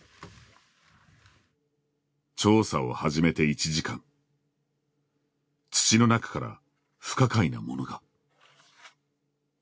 調査を始めて１時間土の中から不可解なものが。